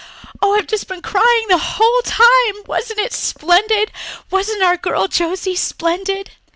Oh, I've just been crying the whole time. Wasn't it splendid! Wasn't our girl Josie splendid?"